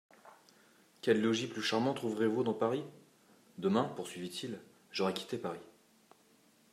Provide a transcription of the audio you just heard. Quel logis plus charmant trouverez-vous dans Paris ? Demain, poursuivit-il, j'aurai quitté Paris.